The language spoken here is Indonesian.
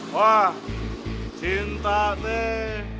wah cinta neng